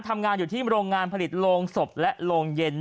ทำงานอยู่ที่โรงงานผลิตโรงศพและโรงเย็น